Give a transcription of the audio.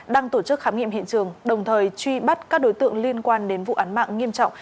đang tổ chức khám nghiệm hiện trường đồng thời truy bắt các đối tượng liên quan đến vụ án mạng nghiêm trọng